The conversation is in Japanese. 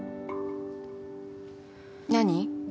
何？